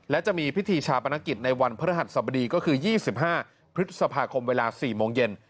และจะมีพิธีชาปนกิจในวันพฤหัสสบดีก็คือ๒๕พฤษภาคมเวลา๔โมงเย็น